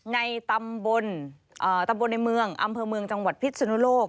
ในตำบลตำบลในเมืองอำเภอเมืองจังหวัดพิษสุนุโลก